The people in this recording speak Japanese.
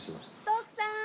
徳さーん！